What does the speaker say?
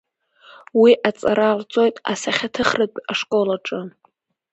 Уи аҵара лҵоит асахьаҭыхратә школ аҿы.